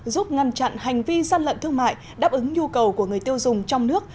giúp ngăn chặn hành vi gian lận thương mại đáp ứng nhu cầu của người tiêu dùng trong nước